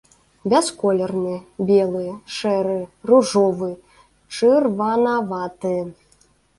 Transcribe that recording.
Бясколерны, белы, шэры, ружовы, чырванаваты.